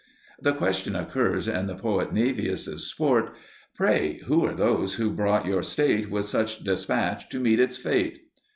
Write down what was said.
The question occurs in the poet Naevius's Sport: Pray, who are those who brought your State With such despatch to meet its fate?